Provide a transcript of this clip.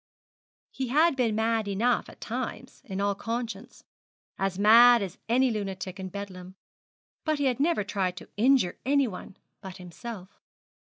He had been mad enough at times in all conscience, as mad as any lunatic in Bedlam; but he had never tried to injure any one but himself.